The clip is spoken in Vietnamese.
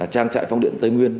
trang trại phong điện tây nguyên